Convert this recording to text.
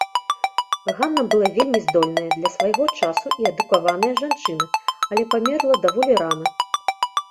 Ганна была вельмі здольная, для свайго часу і адукаваная жанчына, але памерла даволі рана.